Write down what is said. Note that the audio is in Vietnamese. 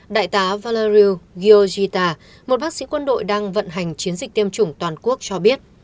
đại tá valer gyojita một bác sĩ quân đội đang vận hành chiến dịch tiêm chủng toàn quốc cho biết